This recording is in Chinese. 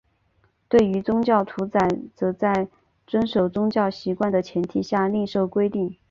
对于宗教屠宰则在遵守宗教习惯的前提下另设规定。